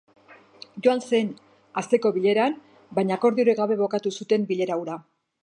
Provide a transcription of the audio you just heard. Joan zen asteko bileran, baina, akordiorik gabe bukatu zuten bilera hura.